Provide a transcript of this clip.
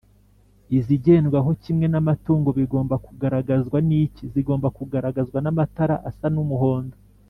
izigendwaho kimwe n’amatungo bigomba kugaragazwa n’iki?zigomba kugaragazwa n’amatara asa n’umuhondo